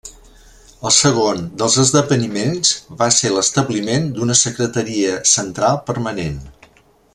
El segon dels esdeveniments va ser l'establiment d'una Secretaria Central permanent.